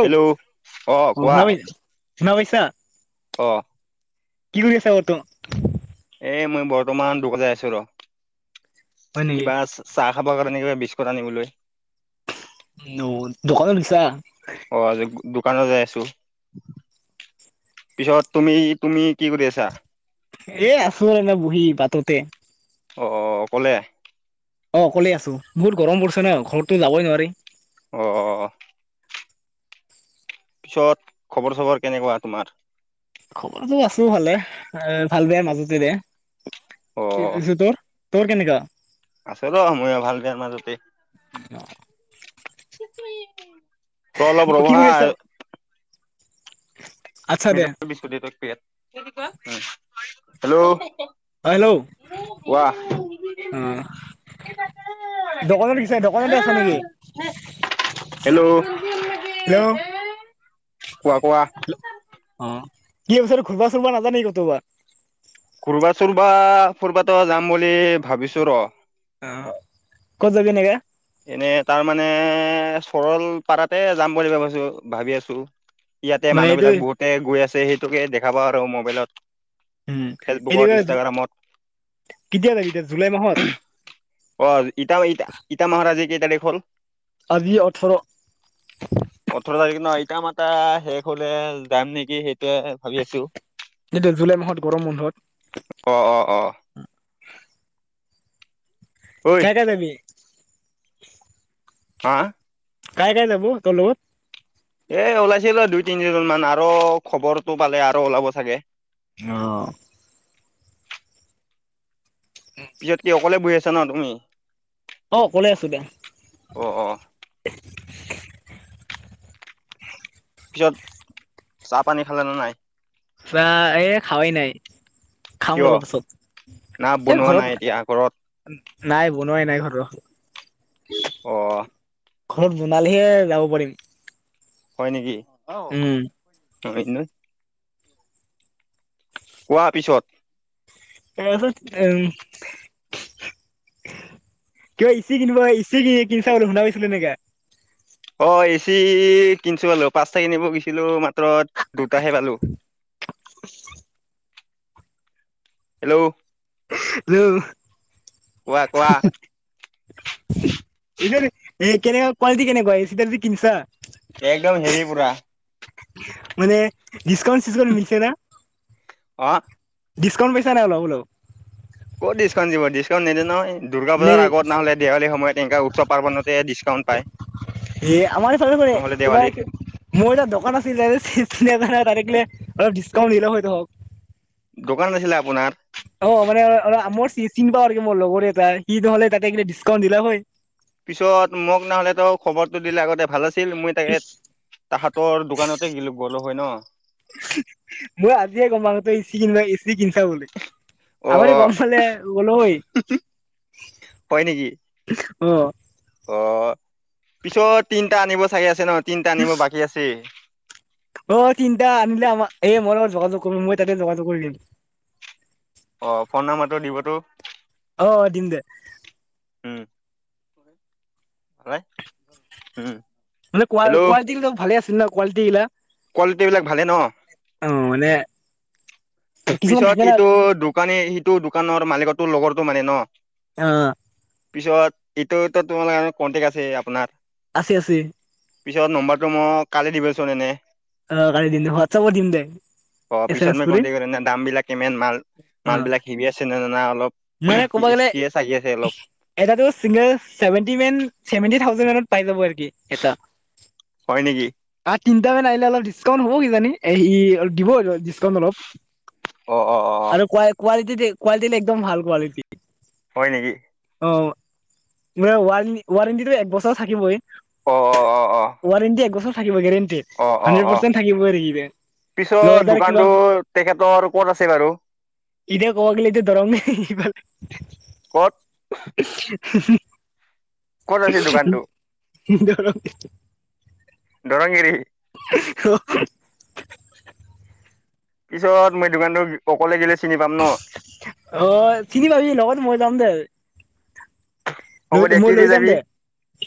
Hello, অহ', কোৱা। শুনা পাই শুনা পাইছা? অহ ', কি কৰি আছা বৰ্তমান? এ মই বৰ্তমান দোকতে আছোঁ ৰ। হয় নেকি কিবা আছ। চাহ খাবৰ কাৰণে কিবা বিস্কুট আনিবলৈ। উম ', দোকানো দিছা। অঁহ ', আজি। দোকানত যাই আছোঁ পিছত তুমি-তুমি কি কৰি আছা? এ আছোঁ এনে বহি বাটতে। অহ', অকলে? অহ', অকলে আছোঁ, বহুত গৰম পৰিছে ন', ঘৰততো যাবই নোৱাৰি। অহ ', পিছত খবৰ-চবৰ কেনেকুৱা তোমাৰ? খবৰটো আছোঁ ভালে, এ ভাল-বেয়াৰ মাজতে অ দে। [unintelligible] তোৰ -তোৰ। কেনেকা? আছে ৰ ময়ো ভাল বেয়াৰ মাজতে। [inaudible] ৰ অলপ কি ৰহা। কৰি আছা [inaudible] [unintelligible] [inaudible] হেল্ল', হেল্ল' কোৱা ডকনত গেছা ডকনতে আছা নেকি? Hello hello. কোৱা কোৱা অ' কি এই বছৰ ঘুৰবা-চুৰবা নাজা নেকি কতবা। ঘুৰবা-চুৰবা ফুৰবাতো যাম বুলি ভাবিছোঁ ৰ। অ ক'ত যাবি এনেকা? এনেই তাৰ মানে চৰল পাৰাতে যাম বুলি ভাবিছোঁ, ভাবি আছোঁ। ইয়াতে মানে মানুহ এইটো বিলাক বহুতে গৈ আছে। সেইটোকে দেখা পাওঁ আৰু মোবাইলত। উ'ম, এনি ফেচবুকত ৱেজ ইনষ্টাগ্ৰামত। কেতিয়া যাবি এতিয়া জুলাই মাহত? অ' ইটা, ইটা, ইটা মাহত আজি কেই তাৰিখ হ'ল? আজিয়ে অঠৰ। ওঠৰ তাৰিখ ন ইত মতা শেষ হ'লে যাম নেকি সেই এইটো জুলাই মাহত গৰম বন্ধত। অ' অ' অ' ঐ কাই, কাই যাবি। হা কাই কাই যাব তৰলোকত? এ! ওলাইছিল দুই তিনিজন মান আৰু খবৰটো পালে আৰু ওলাব চাগে অ', পিছত কি অকলে বহ আছা। ন তুমি। অ', অকলে আছো দিয়া। অ অ পিছত চাহ পানী খালে নে নাই। চাহয়ে খাৱাই নাই। খাম কিয় অলপ পাছত। না এই বনোৱা ঘৰত নাই এতিয়া ঘৰত? নাই বনোৱাই নাই ঘৰৰ। অ', ঘৰত বনালেহে যাব পাৰিম। হয় নেকি। উ'ম। [unintelligible] কোৱা পিছত। ত পাত উ'ম কিবা ইচি কিনিব ইচি কিনি কিনিছা ব শুনা পাইছিলো এনেকা। অ' ইচি কিনিছো পালো, পাঁচটা কিনিব গৈছিলো। মাত্ৰ দুটাহে পালো। হেল্ল' [unintelligible] [unintelligible] কোৱা কোৱা এইটোৰ এ' কেনেকুৱা কোৱালিটি কেনেকুৱা এচি ডাল যি কিনছা? একদম হেভি পুৰা। মানে ডিছকাউণ্ট চিছকাউণ্ট মিলছে না। অ' ডিছকাউণ্ট পাইছা নাই অলপ অলপ ক'ত ডিছকাউণ্ট দিব, ডিছকাউণ্ট নেদে নহয়। দুৰ্গা পূজাৰ নেই আগত নহ'লে দেৱালী সময়ত এনেকা উৎসৱ পাৰ্বণতে ডিছকাউণ্ট পায় এ আমাৰ সিফালৰে নহ'লে কিবা দেৱালীত মোৰ এটা দোকান আছিল ছিঙা -ভাঙা ডাইৰেক্টলি অলপ ডিচকাউন্ট দিলে হৈ যাব। দোকান আছিলে আপোনাৰ? অ' মানে অ' আমাৰ চিন পাওঁ আৰু মোৰ লগৰ এটা সি নহ'লে তাতে কি ডিচকাউন্ট দিলা হয়। পিছত মোক নহ'লে তো খবৰটো দিলে আগতে ভাল আছিল। ছিল মই তাকে তাহাঁতৰ দোকানতে গেলো হয় অলপ হয় ন? মই আজিয়ে গম পাও তই এচি কিনিবা এচি কিনছা বুলি অ আগতে গম পালে গলো হৈ হয় নেকি অ'। অ' পিছত তিনটা আনিব চাগি আছে ন'। তিনিটা আনিববাকী আছেই। অ' তিনটা আনিলে আমাৰ এই মই লগত যোগাযোগ কৰি মই তাতে যোগাযোগ কৰি দিম। অ'ফোন নাম্বাৰটো দিবতো অ' দিম দে। ভাই উম'। মানে হেল্ল' কোৱা নিচিনা কোৱালিটি গিলা কোৱালিটি বিলাক ভালে ন? অ মানে কিছুমান পিছত থাকে না ইটো দোকানে সিটো দোকানৰ মালিকতো লগৰ টো মানে ন'। অহ। পিছত এইটো তোমালোকৰ কনটেক্ট আছে আপোনাৰ আছে, আছেই। পিছত নম্বৰটো মোক কালি দিবচোন এনে। অ' কালি দিম দে, হোৱাটছাপত দিম দে অ এ পিছত চেমেছ মই কৰি দাম বিলাক কিমান মাল, অ মাল বিলাক কিনি আছে না, না অলপ মানে ক'ব গ'লে কিয়ে চাগি আছে অলপ এটাতো চিংগল, ছেভেন্টি মান ছেভেন্টি থাউজেণ্ড পাই যাব এইটো এটা। হয় নেকি তিনিটামান আহিল অলপ ডিছকাউণ্ট হ'ব কি জানি এই দিব অলপ ডিছকাউণ্ট ল অ অ অ অ আৰু কোৱা-কোৱালিটি তেতে কোৱালিটি গিলা একদম ভাল। কোৱালিটি হয় নেকি? অ', মই ৱাৰ ৱাৰেণ্টিটো এক বছৰ থাকিবই। অ অ অ অ ৱাৰেন্টি একবছৰ। গেৰেন্টি অ অ হান্ডৰেদ অ পাৰ্চেণ্ট থাকিবই নেকি আৰু পিছত লগত আৰু দোকানটো কিবা তেখেতৰ ক'ত আছে বাৰু ইনে কব গ'লে এতিয়া দৰংৰ। ক'ত [inaudible] [unintelligible] ক'ত আছিল দোকানটো? [unintelligible] দৰংগিৰি। অ। পিছত মই দোকানতো অকলে গিলি অ'চিনি পাবি লগত মই যাম দে হ'ব লৈ দিয়া মই কি দি লৈ যাম যাবি দে,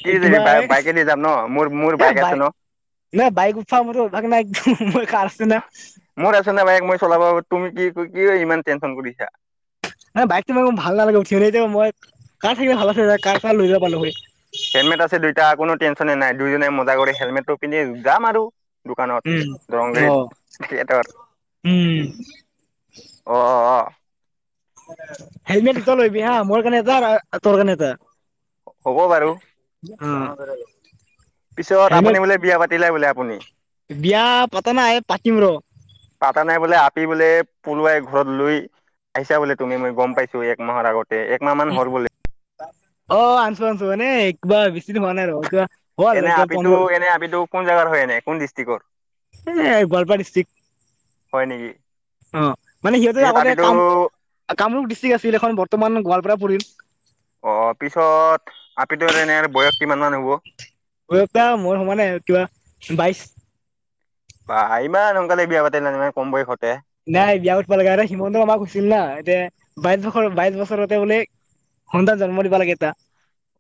কি দি যাবি কিবা বাই এ বাইকে দি যাম ন মোৰ মোৰ বাইক আছে বাই ন নাই বাইক উঠোৱা মোৰো অভাস নাই কাৰ [unintelligible] তই কিয় ইমান টেনচন কৰিছা। নহয় বাইকতো মোক ভাল নালাগে উঠি কেনে মই কাৰ থাকিলে ভাল আছিল ৰে কাৰ চাল লৈ যাব পাৰিলোহৈ। হেলমেট আছে দুইটা কোনো টেনশনে নাই দুইজনে মজা কৰি হেলমেটটো পিন্ধি যাম আৰু দোকানত উম, দৰংগিৰিত সিহঁতৰ, উম, অ, অ', অ। হেলমেট দুটা লৈ আহিবি হা' মৰ কাৰণে এটা আৰু তৰ কাৰণে এটা। হ'ব বাৰু। উম। পিছত আপুনি বোলে বিয়া পাতিলে বোলে। কোনি বিয়া পাতা নাই পাতিম ৰ পলোৱাই লৈ ঘৰত লৈ আহিছা বুলি। তুমি মই গম পাইছো এক মাহৰ আগত। অ, আনছো আনছো মানে এ কিবা বেছি দিন হোৱা নাই আৰু কিবা। হ'ল এনে আপিটো পোন্ধৰ এনে আপিটো কোন জোগাৰ হয় এনে কোন ডিষ্ট্ৰিকটৰ। এ গোৱালপাৰা ডিষ্ট্ৰিক্ট হয় নেকি? অ, মানে পিছত আপিতু তি আছিল এখন বৰ্তমান গোৱাল পোৰা পোৰি অ', পিছত আপিটোৰ এনে বয়স কিমান মান হ'ব? বয়স তাৰ মোৰ সমানে কিবা বাইশ। বা ইমান সোনকালে বিয়া পাতি নে মানে কম বয়সট। নাই বিয়া পঠব লগাগা আৰু সিমন্ত মামা কৈছিলনা টে। বাইশ বছৰ বাইশ বছৰতে বোলে খন্টান জন্ম দিবা লাগে এটা।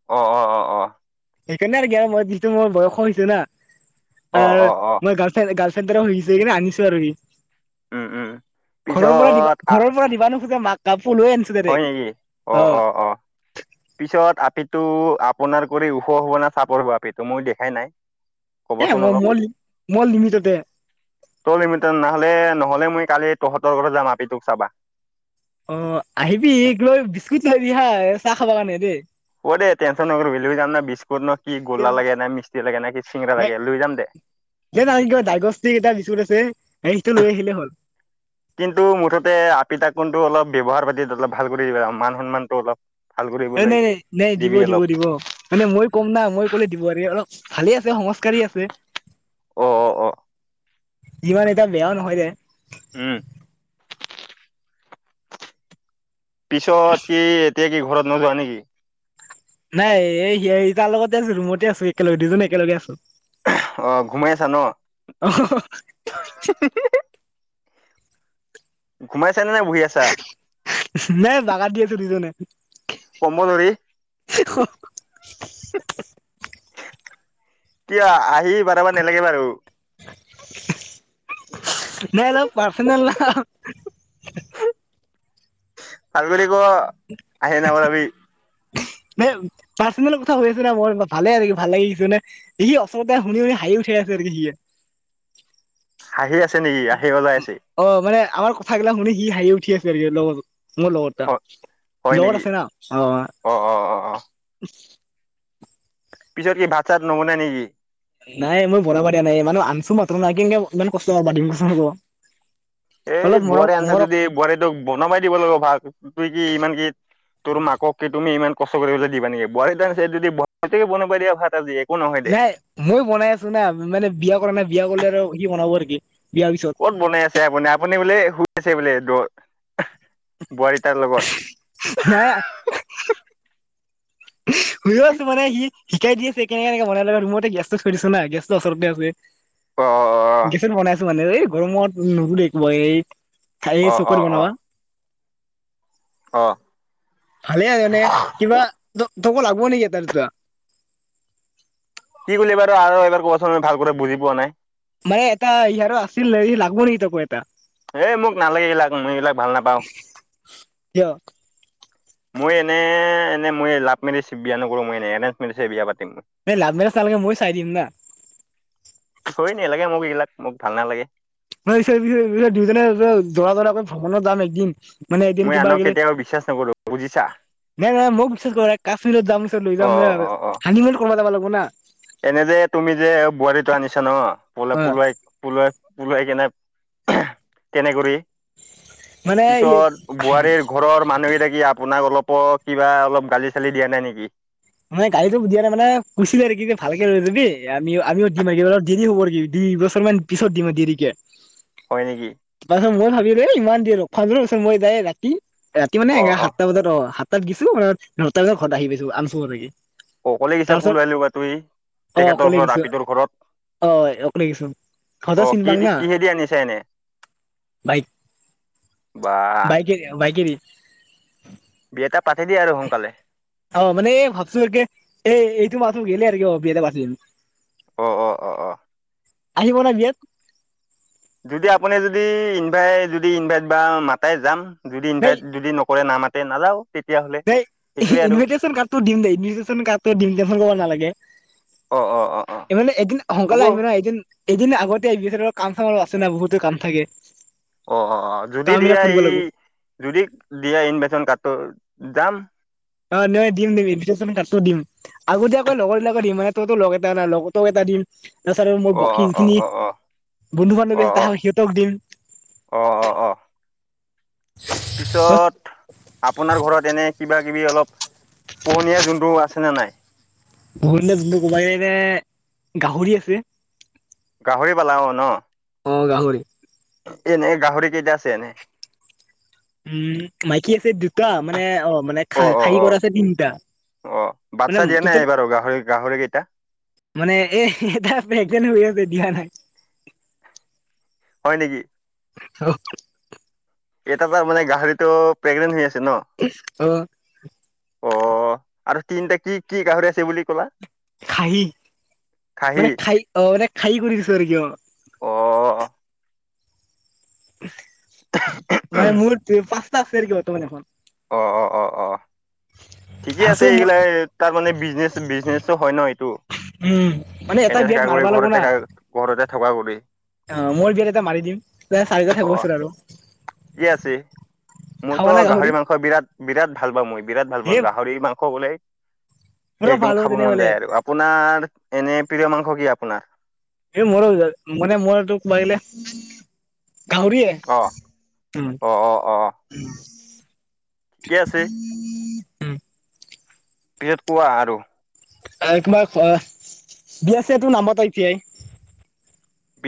অ, অ', অ', অ। সেইকাৰণে আৰু কি আৰু মই যিটো মই বয়স হৈছো না অ, মৰ গালফেণ গালফ ফেদ্ৰ হৈ ছে আনিচো আৰু হি উম উম ঘৰৰ পৰা দিবা পিছত আহ ঘৰৰ পৰা দিবা নোখোধে মাক কাপোৰ লৈ আনিছো হয়, ডাইৰেক্ট নেকি অ, অ, অ', পিছত আপিত টো আপোনাৰ কৰি ওখ হব না চাপৰ হোৱাাপ এইটো মই দেখাই নাই এ ক'বচোন মই অলপ? মল মল নিমিততে তই লিমিটাৰ নহ'লে নহলে মই কালি তহঁতৰ ঘ যাম আপি তোক চাবা অ আহিবি এই লৈ বিস্কুট লৈবি হা চাহ খাব কাৰণে দেই অ দেেই টেনশচন নকৰবিি লৈ যাম না বিস্কুট ন কি গোলা লাগে না মিস্তি লাগে না কি চিঙৰা লাগে লৈ যাম দে কিবা ডাইগষ্টিক এটা বিস্কুট আছে সেইটো লৈ আহিলে হ'ল কিন্তু মুঠতে আপি তাকোনটো অলপ ব্যৱহাৰ পাতি অলপ ভাল কৰি দিব আৰু মান সন্মানটো অলপ ভাল এ কৰিবলৈ নাই নাই নাই দিব দিবি দিব অলপ দিব মানে মই কম না মই কলে দিব আৰু অলপ ভালে আছে সংস্কাৰি আছে অ অ অ যিমান এটা বেয়াও নহয় যে উ পিছত কি এতিয়া কি ঘৰত নোযোৱা নেকি নাই এই সেই তাৰ লগতে আছো ৰুমতে আছো একেলগে দুজনে একেলগে আছো অ ঘুমাই আছা ন? অ ঘোমাই নাই বাগাত দি আছো দুজনে কম্ব নৰিী এতিয়া আহি বাৰাব নালাগে বাৰু নাই ন পাৰ্চনেল আ ভাল কৰি ক আহি ন বাবি ন পাৰ্চনেল কথা হৈ আছ না মোৰ ভালে ভাল লাগি আছ নে সি অচতে শুনি শুনি হাঁহি উঠাই আছে আৰু সি হাহি ছে নেকি আহি ওলাই আছে মানে আমাৰ কথাগিলাক শুনি সি হাঁহি উঠি আছে লগত মোৰ লগৰটা হয় লগত নেকি আছে না অ অ অ অ অ পিছত কি ভাত চাত নবনাই নেকি? নাই মই বনাবা দিয়া নাই মান আনছো মাত্ৰ নাই কিনকে ইমান কষ্ট হব দিম কচোনকৌ এই বোৱাৰী আনিছে যদি বোৱাৰী তোক বনাবাই দিব লাগিব ভাত তু কি ইমান কি তোৰ মাকক কি তুমি ইমান কষ্ট কৰিবলৈ দিবা নেকি বোৱাৰী যদি আনিছে বোৱাৰীকে বনাব দিয়া ভাত আজি এ নাই ময় বনাই আছো না মানে বিয়া কৰা নাই বিয়া কৰলে আৰু কি বনাব টিকি ক'ত বনাই আছে আপুনি আপুনি বোলে শু আছে বোলে দৰ বোৱাৰী তাৰ লগত হে [unintelligible] শুই আছো মানে সি। শিকাই দি আছে কেনেকে কেনেকে বনাব লাগে মই তো গেছটো থৈ দিছো না গেছ ওচৰতে আছে। অ অ গেছত বনাই আছো মানে এই গৰমত [unintelligible] খাই অ অ অ [unintelligible] অ। ভালে আৰ মানে কিবা তকো লাগব নিকি এটা দুটা। কি বাৰু আৰু এবাৰ কৱা চোন ভাল কৰি বুজি পোৱা নাই। মানে এটা ইয়াৰো আছিল নে লাগব নেকি তকৌ এ মোক নালাগে এইবিলাক মই এইবিলাক ভাল নাপাও। কিয় মই এনে এনে মই লাভ মেৰিচ বিয়া নকৰো মই এনে এৰেঞ্জ মেৰিছে বিয়া পাতি এই লাভমেৰেজ নালাগে মই চাই দিম না। হয় ন লাগে মোক এইগিলাক মোক ভাল নালাগে। [unintelligible] দুইজনে [unintelligible] ভ্ৰমণত যাম একদিন মানে এদিন মই কিবা আনক আহিলে কেতিয়াও বিশ্বাস নকৰো বুজিছা না মোক বিচাচ ক কাশ্মীৰত যাম চ লৌ অ যাম এ আৰ অ অ অ হানিমুন কৰবা যাবা লাগ [unintelligible] এনে যে তুমি যে বোৱাৰীটো আনিছা ন পলু অ পলুৱাই পলুৱাই। পলুৱাই কেনে তেনে কৰি। মানে পিছত বোৱাৰীৰ ঘৰৰ মানুহকেইটা আপোনাক অলপো কিবা অলপ গালি চালি দিয়া নাই নেকি। মই গালিটো দিয়া নাই মানে কুই চিলে নে কি ভালকে লৈ যাবি আমি আমিও দিম একেবাৰে দিনিও অৰ কি দুই বছৰ মান পিছত দিম আৰু দেৰিকে। হয় নেকি তাৰ পাছত মই ভাবিলো ইমান দে- ৰ- ভাবি আছোং মই যায় ৰাতি। ৰাতি মানে এ অ অ সাতটা বজাত অ' সাত তাত গিছো নটা বজাত ঘৰত আহি গেছো [unintelligible] অকলে গিছা পলুৱাই লবা তুই অ তেখেতৰ অকলে ঘৰত গিছো আপিটোৰ অ অকলে গিছো ঘৰত ঘৰতো আহ চিনি কি পাং দি না কিহেদি আনিছা এনে বাইক বা বাইকে বাইকেদি [unintelligible] পাতি দি আৰু সোনকালে। অ' মানে ভাবছো আৰুকে এই এইটো মাহ গেলে আৰু কি অ' বিয়াটো পাতিম। অ', অ', অ', অ। আহিব ন বিয়াত। যদি আপুনি যদি ইনভাই যদি ইনভাইট বা মাতে যাম। যদি ইনভাইট যদি নকৰে নামাতে নাযাও। ধেই ইনটেশচন কাৰ্ডটো দিম দেই ইনটেশন কাৰ্ড দিম দে ম ক'ব নালাগে। অ অ অ অ এই মানে এদিন সোনকালে হ'ব আহিবি নহয় এদিন, এদিন আগতে আহি কাম চামো আছে না বহুতো কাম থাকে। অ অ অ যদি কাম বিলাক দিয়া কৰিব এই লাগিব যদি দিয়া ইনভেশচন কাৰ্ডটো যাম। অ' নহয় দিম দিম। ইনভেটেশচন কাৰ্ডটো দিম। আগতীয়াকৈ লগৰবিলাকক দিম মানে তইতো লগ এটা নাই লগত এটা দিম। তাৰপাছত আৰু মোৰ অ বাকী অ যিখিনি অ অ বন্ধু অ অ বান্ধৱী আছে তাহ সিহঁতক দিম। অ অ অ অ পিছত আপোনাৰ ঘৰত এনে কিবা কিবি অলপ পোহঁনীয়া যোনটো আছেনে নাই। পোহঁনীয়া জন্তুটো কবা গেলে গাহৰি আছে। গাহৰি পালাওঁ ন। অ' গাহৰি। এনেই গাহৰি কেইটা আছে এনেই। উম মাইকী আছে দুটা মানে অ মানে খা অ অ খাহী অ কৰা আছে তিনিটা। অ বাচ্ছা দিয়া মানেত নাই এইবাৰো গাহৰি গাহৰি কেইটা মানে এ এটা প্ৰেগনেণ্ট হৈ আছে। দিয়া নাই। হয় নেকি। অ' এটা তাৰ মানে গাহৰিতো প্ৰেগনেন্ট হৈ আছে। ন অ' অ আৰু তিনিটা কি কি গাহৰি আছে বুলি ক'লা। খাহি খাহী মানে খাই অ' মানে খাই কৰি দিছো আৰু ক অ' অ [unintelligible] মানে মোৰ পা ত ফেৰি কিব ত মমান এখন। অ' অ' অ' অ' ঠিকে আছে এইগিলা তাৰ মানে বিজনেচ বিজনেচ হয় ন এইটো উম মানে এটা এনে বিয়াত থকা কৰি মাৰবা লাগব ঘৰতে না থকা ঘৰতে থকা কৰি। অ' মোৰ বিয়াত এটা মাৰি দিম চাৰিটা থাকিবচোন আৰু ঠিকে আছে খাৱা মোৰতো না গাহৰি মাংস বিৰাট বিৰাট ভাল পাওঁ মই বিৰাট ভাল এ পাশ গাহৰি মাংস বোলে। পুৰা একদম ভাল হ'ব খাব মন তেনেহ'লে যায় আৰু আপোনাৰ এনে প্ৰিয় মাংস কি আ শুনা এই মৰ য মনে মৰে তোক বাৰিলে কাউৰীয়ে অ উ উ অ থিকে আছে উম পিছত কোৱা আৰু আৰু কোমাক দি আছেটো নামত আই টি আই বিয়া